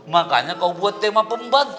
makanya kau buat tema pembantu